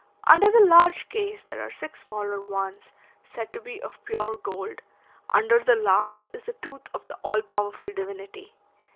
Under the large case there are six smaller ones, said to be of pure gold; under the last is the tooth of the all powerful divinity.